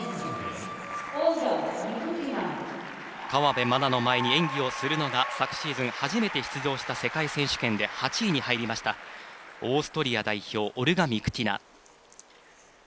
河辺愛菜の前に演技をするのが昨シーズン、初めて出場した世界選手権で８位に入りましたオーストリア代表オルガ・ミクティナ。